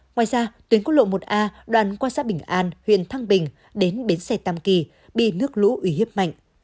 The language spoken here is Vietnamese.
ngoài ra tuyến quốc lộ một a đoàn quan sát bình an huyện thăng bình đến bến xe tam kỳ bị nước lũ uy hiếp mạnh